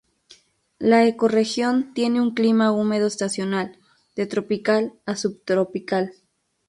La ecorregión tiene un clima húmedo estacional, de tropical a subtropical.